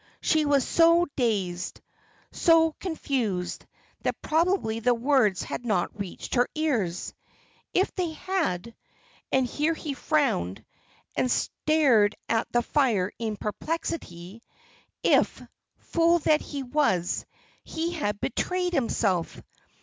she was so dazed, so confused, that probably the words had not reached her ears. If they had and here he frowned, and stared at the fire in perplexity if, fool that he was, he had betrayed himself!